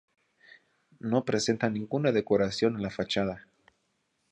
No presenta ninguna decoración en la fachada.